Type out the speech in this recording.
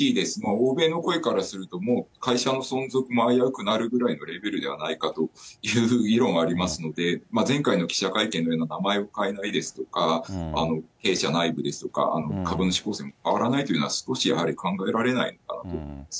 欧米の声からすると、もう会社の存続も危うくなるくらいのレベルではないかという議論はありますので、前回の記者会見で、名前を変えないですとか、弊社内部ですとか、株主構成も変わらないというのは、少しやはり考えられないなと思います。